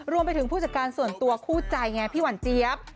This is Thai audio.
ผู้จัดการส่วนตัวคู่ใจไงพี่หวันเจี๊ยบ